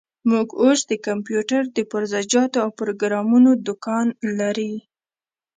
موږ اوس د کمپيوټر د پرزه جاتو او پروګرامونو دوکان لري.